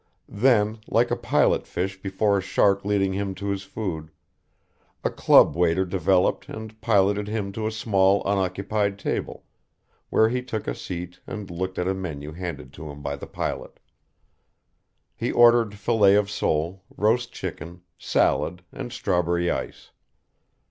Then, like a pilot fish before a shark leading him to his food, a club waiter developed and piloted him to a small unoccupied table, where he took a seat and looked at a menu handed to him by the pilot. He ordered fillet of sole, roast chicken, salad, and strawberry ice.